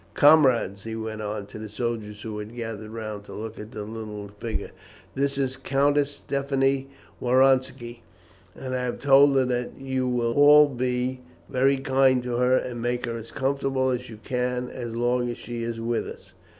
Comrades," he went on, to the soldiers who had gathered round to look at the little figure, "this is the Countess Stephanie Woronski, and I have told her that you will all be very kind to her and make her as comfortable as you can as long as she is with us."